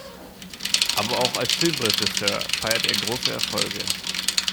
Aber auch als Filmregisseur feierte er große Erfolge.